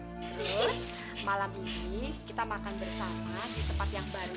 terus malam ini kita makan bersama di tempat yang baru